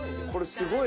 ・すごい。